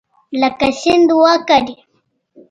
لکه سیند وکرې